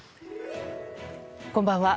こんばんは。